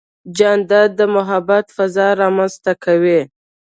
جانداد د محبت فضا رامنځته کوي.